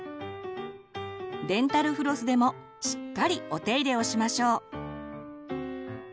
デンタルフロスでもしっかりお手入れをしましょう。